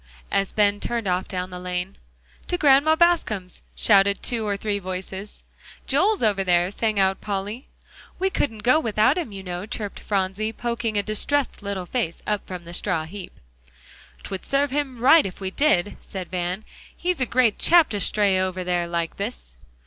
as Ben turned off down the lane. "To Grandma Bascom's," shouted two or three voices. "Joel's over there," sang out Polly. "We couldn't go without him, you know," chirped Phronsie, poking a distressed little face up from the straw heap. "'Twould serve him just right if we did," said Van. "He's a great chap to stay over there like this."